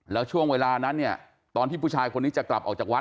แล้วช่วงเวลานั้นเนี่ยตอนที่ผู้ชายคนนี้จะกลับออกจากวัด